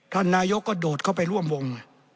ท่านนายก็โดดเข้าไปร่วมวง